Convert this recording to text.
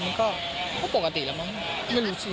มันก็ปกติแล้วมั้งไม่รู้ชื่อ